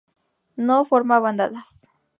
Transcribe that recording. No forma bandadas.